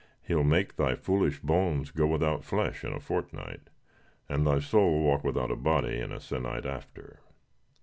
He'll make thy foolish bones go without flesh in a fortnight, and thy soul walk without a body in a se'nnight after.